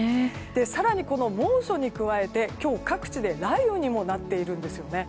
更に、この猛暑に加えて今日、各地で雷雨にもなっているんですよね。